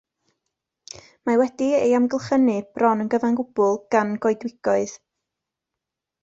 Mae wedi ei amgylchynu bron yn gyfan gwbl gan goedwigoedd.